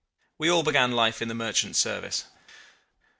We all began life in the merchant service.